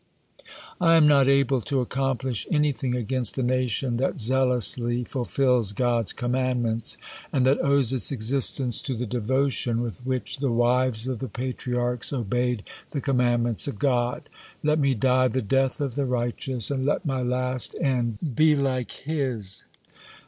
"I am not able to accomplish anything against a nation that zealously fulfils God's commandments, and that owes its existence to the devotion with which the wives of the Patriarchs obeyed the commandments of God. 'Let me die the death of the righteous, and let my last end be like his!'"